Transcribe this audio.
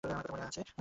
আমার কথা মনে আছে?